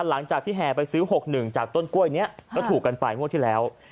หลังจากที่แหงไปซื้อหกหนึ่งจากต้นกล้วยเนี้ยก็ถูกกันไปงบที่แล้ว